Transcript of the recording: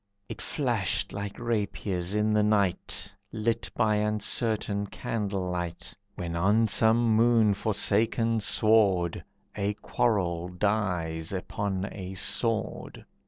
It flashed like rapiers in the night Lit by uncertain candle light, When on some moon forsaken sward A quarrel dies upon a sword.